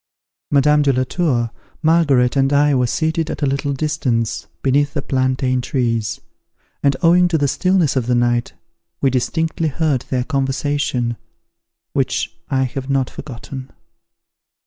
Madame de la Tour, Margaret, and I, were seated at a little distance, beneath the plantain trees; and, owing to the stillness of the night, we distinctly heard their conversation, which I have not forgotten.